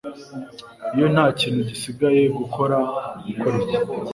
Iyo nta kintu gisigaye gukora ukora iki